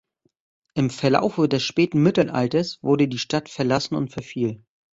Im Verlaufe des späten Mittelalters wurde die Stadt verlassen und verfiel.